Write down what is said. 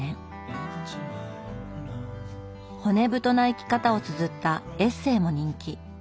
骨太な生き方をつづったエッセーも人気。